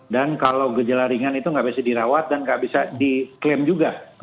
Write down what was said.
dan kalau gejala ringan itu nggak bisa dirawat dan nggak bisa diklaim juga